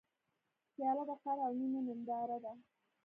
پیاله د قهر او مینې ننداره ده.